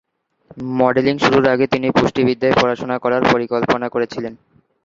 Modelling শুরুর আগে তিনি পুষ্টিবিদ্যায় পড়াশোনা করার পরিকল্পনা করেছিলেন।